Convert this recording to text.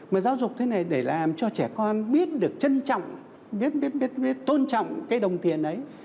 mà giáo dục thế này để làm cho trẻ con biết được trân trọng biết biết tôn trọng cái đồng tiền đấy